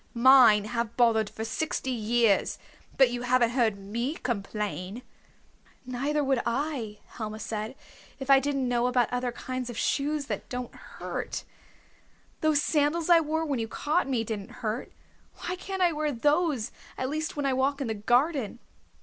Mine have bothered for sixty years, but you haven't heard me complain." "Neither would I," Helma said, "if I didn't know about other kinds of shoes that don't hurt. Those sandals I wore when you caught me didn't hurt. Why can't I wear those, at least when I walk in the garden?"